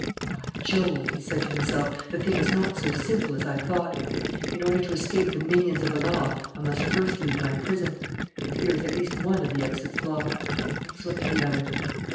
"By Jove!" he said to himself, "the thing is not so simple as I thought! In order to escape the minions of the law I must first leave my prison; and here is at least one of the exits blocked. Let's look at the other."